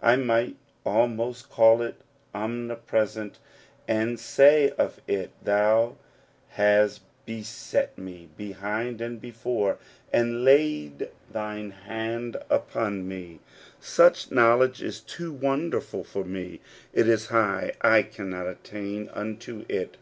I might almost call it omnipresent, and say of it, "Thou has beset me behind and before, and laid thine hand upon me. 112 According to tlu Promise. Such knowledge is too wonderful for me; it is high, I cannot attain unto it.